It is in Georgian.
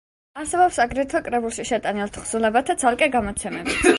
არსებობს აგრეთვე კრებულში შეტანილ თხზულებათა ცალკე გამოცემებიც.